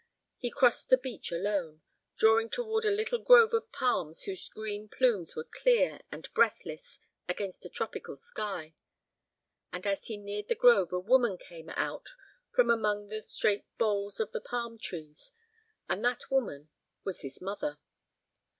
He crossed the beach alone, drawing toward a little grove of palms whose green plumes were clear and breathless against a tropical sky. And as he neared the grove a woman came out from among the straight boles of the palm trees, and that woman was his mother.